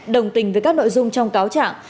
đồng tình với các nội dung trong cáo trạng